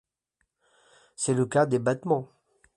C'est le cas des battements.